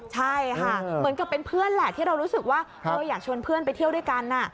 ใช่ค่ะเหมือนกับเป็นเพื่อนแหละที่เรารู้สึกว่าอยากชวนเพื่อนไปเที่ยวด้วยกัน